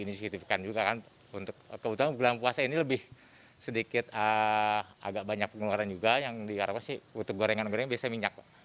terlalu ini juga kan untuk kebutuhan gelang puasa ini lebih sedikit agak banyak pengeluaran juga yang diarahkan sih untuk gorengan gorengan biasanya minyak